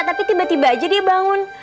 tapi tiba tiba aja dia bangun